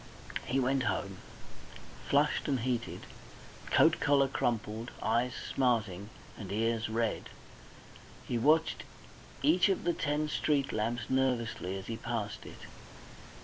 He went home flushed and heated, coat collar crumpled, eyes smarting, and ears red. He watched each of the ten street lamps nervously as he passed it.